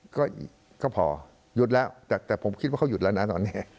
ก็พอหยุดแล้วแต่ผมคิดว่าเขาหยุดแล้วนะตอนนี้